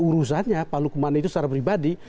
urusannya pak lukman itu secara pribadi